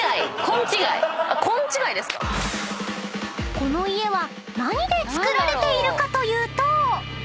［この家は何で造られているかというと］